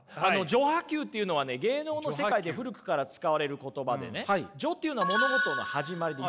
「序破急」っていうのはね芸能の世界で古くから使われる言葉でね「序」っていうのは物事の始まりで。